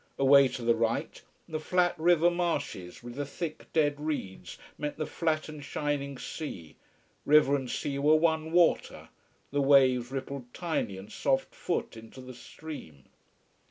Away to the right the flat river marshes with the thick dead reeds met the flat and shining sea, river and sea were one water, the waves rippled tiny and soft foot into the stream.